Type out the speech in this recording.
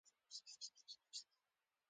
يا د زړه پر مسند کښيني لکه مينه ابدي شي.